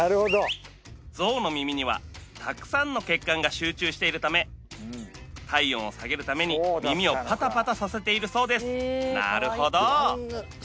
象の耳にはたくさんの血管が集中しているため体温を下げるために耳をパタパタさせているそうですなるほど！